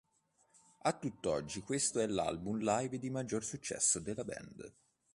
A tutt'oggi questo è l'album live di maggior successo della band.